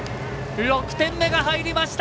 ６点が入りました。